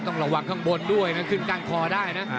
ต้องระวังข้างบนด้วยนะขึ้นก้านคอได้นะ